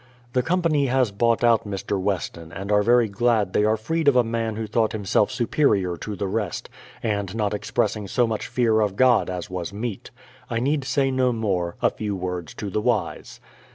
The company has bought out Mr. Weston, and are very glad they are freed of a man who thought himself superior to the rest, and not expressing so much fear of God as was meet. I need say no more: a few words to the wise.